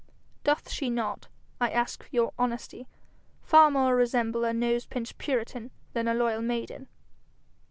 Doth she not, I ask your honesty, far more resemble a nose pinched puritan than a loyal maiden?'